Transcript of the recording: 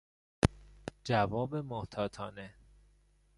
جواب محتاطانه